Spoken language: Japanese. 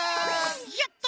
やった！